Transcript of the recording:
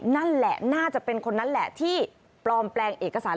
นั่นแหละน่าจะเป็นคนนั้นแหละที่ปลอมแปลงเอกสาร